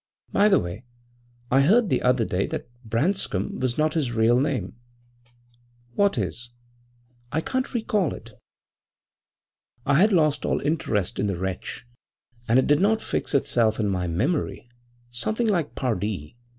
By the way, I heard the other day that "Branscom" was not his real name.' < 11 > 'What is?' 'I can't recall it. I had lost all interest in the wretch and it did not fix itself in my memory something like Pardee.